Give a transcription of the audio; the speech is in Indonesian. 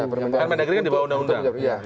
permendagri kan di bawah undang undang